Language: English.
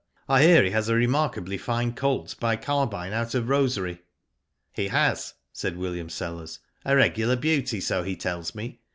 I hear he has a remarkably fine colt by Carbine out of Rosary." "He has," said William Sellers. "A regular beauty, so he tells me.